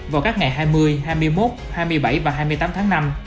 vào các ngày hai mươi hai mươi một hai mươi bảy và hai mươi tám tháng năm